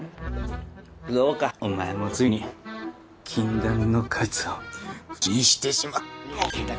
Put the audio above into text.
そうかお前もついに禁断の果実を口にしてしまったか！